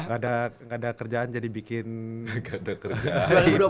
gak ada kerjaan jadi bikin ip